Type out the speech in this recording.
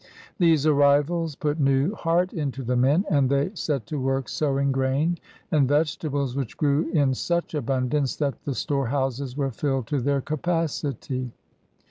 These arrivals put new heart into the men, and they set to work sowing grain and vegetables, which grew m such abund ance that the storehouses were filled to their capacity.